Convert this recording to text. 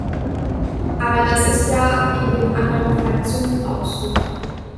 Aber das ist ja in den anderen Fraktionen auch so.